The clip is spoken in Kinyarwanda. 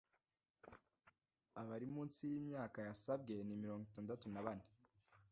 abari munsi y’imyaka yasabwe ni mirongo itandatu na bane